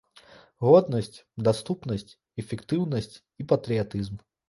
Годнасць, даступнасць, эфектыўнасць і патрыятызм.